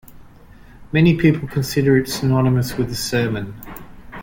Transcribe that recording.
Many people consider it synonymous with a sermon.